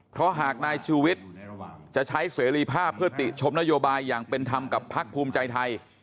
เพราะหากนายชูวิทย์จะใช้เสรีภาพเพื่อติชมนโยบายอย่างเป็นธรรมกับพักภูมิใจไทย